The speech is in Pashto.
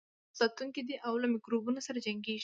سپین کرویات د بدن ساتونکي دي او له میکروبونو سره جنګیږي